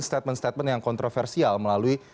statement statement yang kontroversial melalui